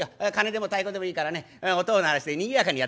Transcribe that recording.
鉦でも太鼓でもいいからね音を鳴らしてにぎやかにやってもらおう。